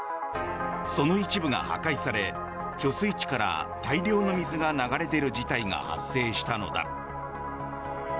その一部が破壊され貯水池から大量の水が流れ出る事態が発生したのだ。